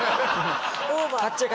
オーバー。